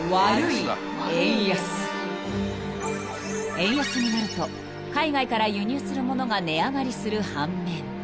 ［円安になると海外から輸入するものが値上がりする半面］